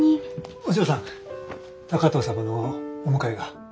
お嬢さん高藤様のお迎えが。